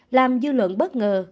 làm dư luận bất ngờ